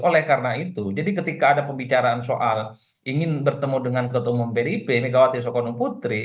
oleh karena itu jadi ketika ada pembicaraan soal ingin bertemu dengan ketua umum pdip megawati soekarno putri